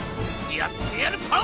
やってやるパオ！